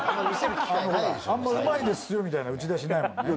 「うまいですよ」みたいな打ち出しないもんね。